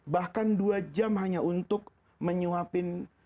bahkan dua jam hanya untuk menyuapin